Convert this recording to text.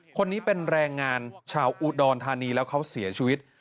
คนนี้เป็นแรงงานชาวอุดรธานีแล้วเขาเสียชีวิต